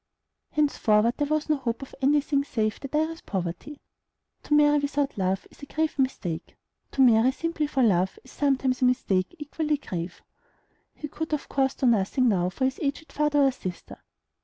Henceforward there was no hope of any thing save the direst poverty. To marry without love is a grave mistake; to marry simply for love is sometimes a mistake equally grave. He could of course do nothing now for his aged father or sister.